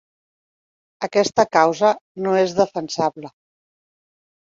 Aquesta causa no és defensable.